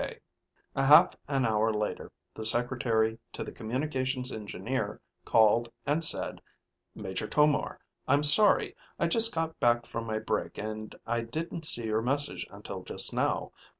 A half an hour later the secretary to the Communications Engineer called and said, "Major Tomar, I'm sorry, I just got back from my break and I didn't see your message until just now.